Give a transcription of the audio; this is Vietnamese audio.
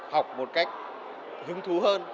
học một cách hứng thú hơn